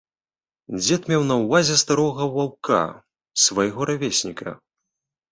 Дзед меў на ўвазе старога ваўка, свайго равесніка.